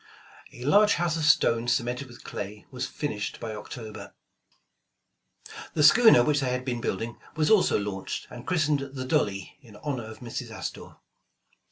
A large house of stone cemented with clay, was finished by October. The schooner which they had been building, was also launched and christened ''Th e Dolly," in honor of Mrs. Astor.